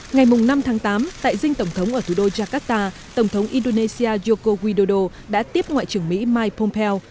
ngày năm tháng tám tại dinh tổng thống ở thủ đô jakarta tổng thống indonesia yoko widodo đã tiếp ngoại trưởng mỹ mike pompeo